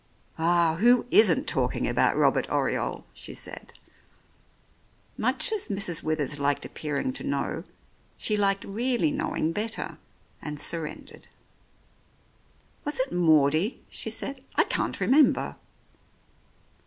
"Ah! who isn't talking about Robert Oriole?" she said. Much as Mrs. Withers liked appearing to know, she liked really knowing better, and surrendered. "Was it Maudie ?" she said " I can't remember."